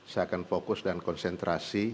saya akan fokus dan konsentrasi